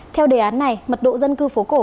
theo đề án này mật độ dân cư phố cổ